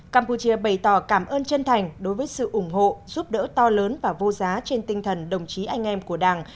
campuchia bày tỏ cảm ơn chân thành đối với sự ủng hộ giúp đỡ to lớn và vô giá trên tinh thần đồng chí anh em của đảng